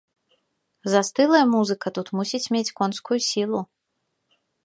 Застылая музыка тут мусіць мець конскую сілу.